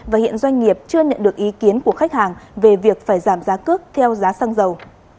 và hiện doanh nghiệp chưa nhận được ý kiến của khách hàng về việc phải giảm giá cước theo giá xăng dầu